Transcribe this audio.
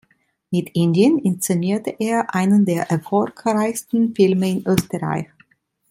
Mit Indien inszenierte er einen der erfolgreichsten Filme in Österreich.